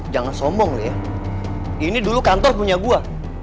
jangan sombong lo ya ini dulu kantor punya gue